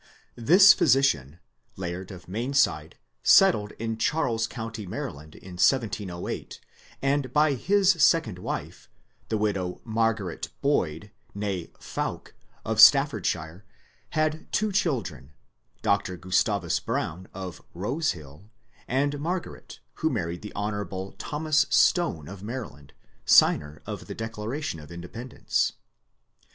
This physician. Laird of Mainside, settled in Charles County, Maryland, in 1708, and by his second wife, the widow Mar garet Boyd, rUe Fowke, of Staffordshire, had two children : Dr. Gustavus Brown of ''Rose Hill," and Margaret, who married the Hon. Thomas Stone of Maryland, signer of the Declaration of Independence.